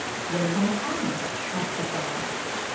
''What is my karma V asked the farmer.